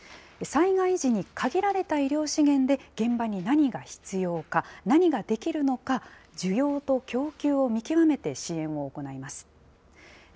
災害時に限られた医療資源で現場に何が必要か、何ができるのか、需要と供給を見極めて支援を行います。